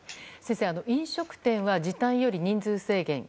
先生、飲食店は時短より人数制限。